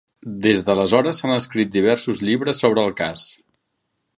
Des d'aleshores s'han escrit diversos llibres sobre el cas.